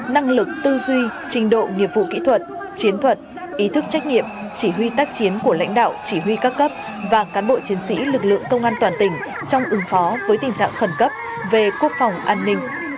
năng lực tư duy trình độ nghiệp vụ kỹ thuật chiến thuật ý thức trách nhiệm chỉ huy tác chiến của lãnh đạo chỉ huy các cấp và cán bộ chiến sĩ lực lượng công an toàn tỉnh trong ứng phó với tình trạng khẩn cấp về quốc phòng an ninh